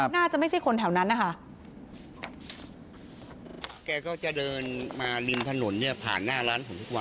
หน้าจะไม่ใช่คนแถวนั้นนะคะ